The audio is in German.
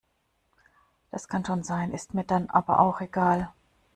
Das kann schon sein, ist mir dann aber auch egal.